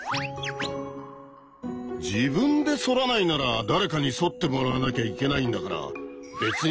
自分でそらないなら誰かにそってもらわなきゃいけないんだからそうね。